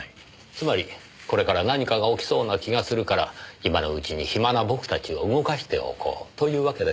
つまりこれから何かが起きそうな気がするから今のうちに暇な僕たちを動かしておこうというわけですか。